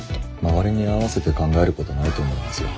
周りに合わせて考えることないと思いますよ。